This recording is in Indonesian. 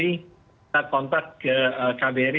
kita kontak ke kbr